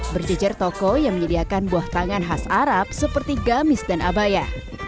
berjejer toko yang menyediakan buah tangan khas arab seperti gamis dan abaya